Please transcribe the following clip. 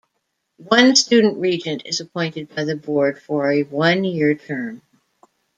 One student Regent is appointed by the Board for a one-year term.